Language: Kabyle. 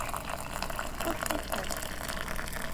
Txuṣṣ tisent.